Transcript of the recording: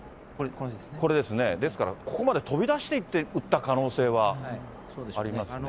これですね、ですから、ここまで飛び出していって撃った可能性はありますね。